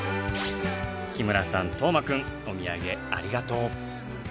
日村さん斗真くんお土産ありがとう！